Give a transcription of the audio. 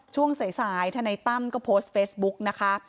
ช่วงสายทนายตั้มก็โพสต์เฟซบุ๊กนะคะ